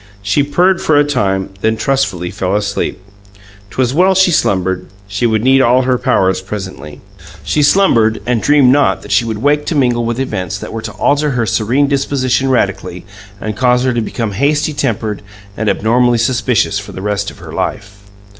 She purred for a time, then trustfully fell asleep. 'Twas well she slumbered; she would need all her powers presently. She slumbered, and dreamed not that she would wake to mingle with events that were to alter her serene disposition radically and cause her to become hasty tempered and abnormally suspicious for the rest of her life.